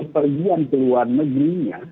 pergi ke luar negeri